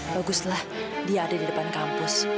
baguslah dia ada di depan kampus